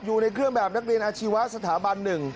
อยู่ในเครื่องแบบนักเรียนอาชีวะสถาบันหนึ่ง